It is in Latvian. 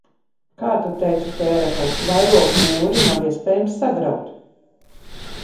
Kā tu teici, Hērakl, vairogu mūri nav iespējams sagraut!